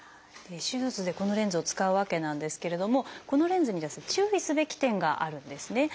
手術でこのレンズを使うわけなんですけれどもこのレンズにですね注意すべき点があるんですね。